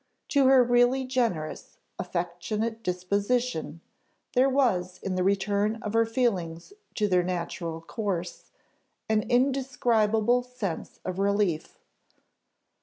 To her really generous, affectionate disposition, there was in the return of her feelings to their natural course, an indescribable sense of relief.